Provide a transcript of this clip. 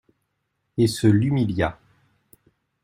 Et ce l'humilia.